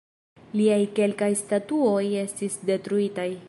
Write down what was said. Liaj kelkaj statuoj estis detruitaj.